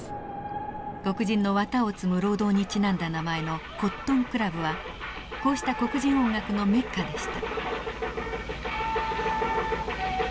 黒人の綿を摘む労働にちなんだ名前のコットン・クラブはこうした黒人音楽のメッカでした。